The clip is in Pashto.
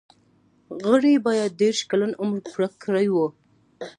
غړي باید دیرش کلن عمر پوره کړی وي.